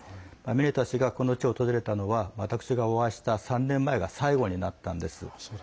ミネタ氏が、この地を訪れたのは私がお会いした３年前が最後になったんです。